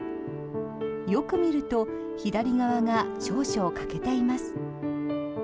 よく見ると左側が少々欠けています。